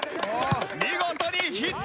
見事にヒット！